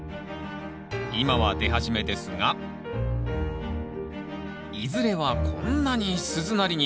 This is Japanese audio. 今は出始めですがいずれはこんなに鈴なりに！